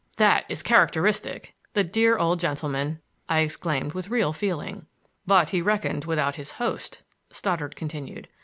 "That is characteristic. The dear old gentleman!" I exclaimed with real feeling. "But he reckoned without his host," Stoddard continued.